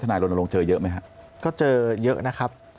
ทนายโรนโรงเจอเยอะไหมครับก็เจอเยอะนะครับ